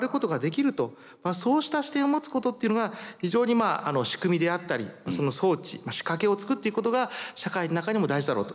そうした視点を持つことっていうのは非常にまあ仕組みであったりその装置仕掛けを作っていくことが社会の中にも大事だろうと。